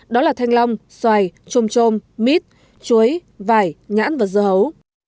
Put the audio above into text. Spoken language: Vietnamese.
đó là thanh long xoài trôm trôm mít chuối vải nhãn và dưa hấu